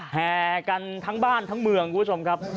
แห่กันทั้งบ้านทั้งเมืองคุณผู้ชมครับ